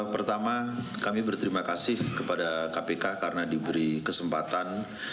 pertama kami berterima kasih kepada kpk karena diberi kesempatan